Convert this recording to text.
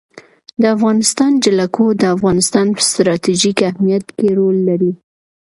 د افغانستان جلکو د افغانستان په ستراتیژیک اهمیت کې رول لري.